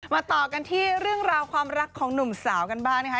ต่อกันที่เรื่องราวความรักของหนุ่มสาวกันบ้างนะคะ